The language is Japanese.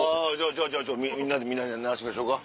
じゃあじゃあみんなで鳴らしましょうか。